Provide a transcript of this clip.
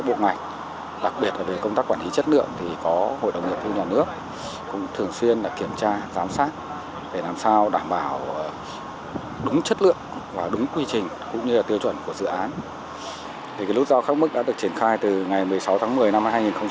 bộ giao thông vận tải đã được triển khai từ ngày một mươi sáu tháng một mươi năm hai nghìn một mươi bảy